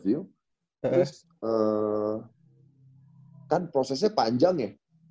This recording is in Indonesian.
terus kan prosesnya panjang ya